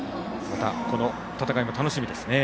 またこの戦いも楽しみですね。